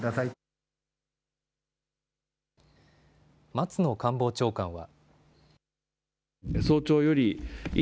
松野官房長官は。